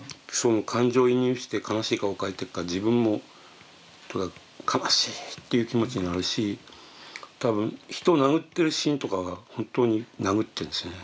感情移入して悲しい顔描いてるから自分も悲しいっていう気持ちになるし多分人殴ってるシーンとかは本当に殴ってるんですよね。